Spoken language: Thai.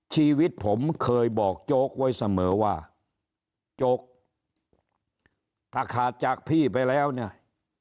ชีวิตผมเคยบอกโจ๊กไว้เสมอว่าโจ๊กถ้าขาดจากพี่ไปแล้วเนี่ย